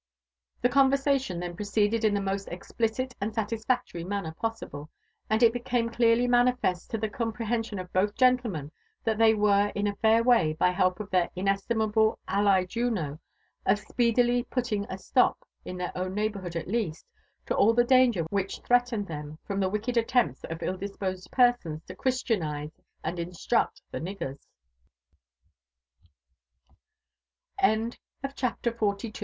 The conversation then proceeded in the most explicit and satisfac tory manner possible ; and it became clearly manifest to the compre hension of both gentlemen that they were in a fair way, by help of their inestimable ally Juno, of speedily putting a slop, in dieir own neighbourhood at least, to all the danger which threatened them from the wicked, attempts of ill disposed perso